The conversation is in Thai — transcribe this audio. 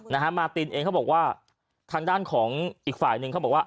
นะฮะมาตินเองเขาบอกว่าทางด้านของอีกฝ่ายหนึ่งเขาบอกว่า